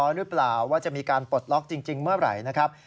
หรือเปล่าว่าจะมีการปลดล็อกจริงเมื่อไหร่นะครับ